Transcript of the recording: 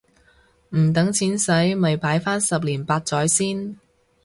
唔等錢洗咪擺返十年八載先